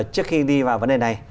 trước khi đi vào vấn đề này